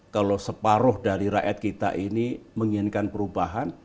kalau separuh dari rakyat kita ini menginginkan perubahan